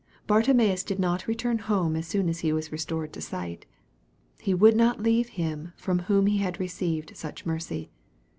Bartimaeus did not return home as soon as he was restored to sight. He would not leave Him from whom he had received such mercy.